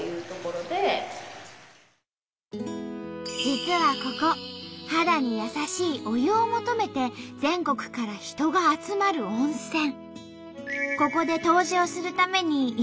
実はここ肌に優しいお湯を求めて全国から人が集まる温泉。